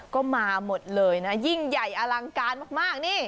ก็มาหมดเลยนะยิ่งใหญ่อลังการมากนี่